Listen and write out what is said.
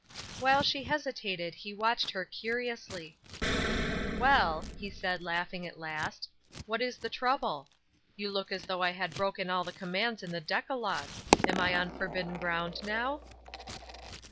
While she hesitated he watched her curiously. " Well," he said, laughing, at last, " what ia ''Hearken Unto Me^ 869 fche trouble ? You look as though I had broken all the commands in the Decalogue. Am I on forbidden ground now